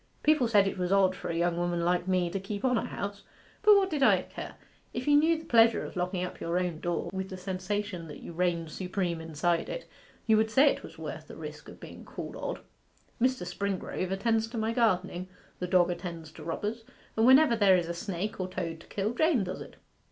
People said it was odd for a young woman like me to keep on a house; but what did I care? If you knew the pleasure of locking up your own door, with the sensation that you reigned supreme inside it, you would say it was worth the risk of being called odd. Mr. Springrove attends to my gardening, the dog attends to robbers, and whenever there is a snake or toad to kill, Jane does it.